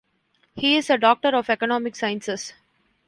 He is a doctor of economic sciences.